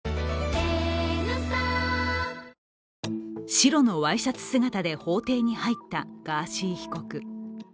白のワイシャツ姿で法廷に入ったガーシー被告。